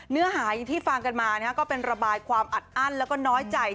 เนื้อหาอย่างที่ฟังกันมาก็เป็นระบายความอัดอั้นแล้วก็น้อยใจ